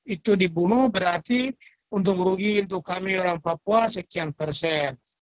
itu dibunuh berarti untung rugi untuk kami orang papua sekian persen